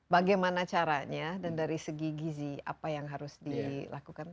bagaimana caranya dan dari segi gizi apa yang harus dilakukan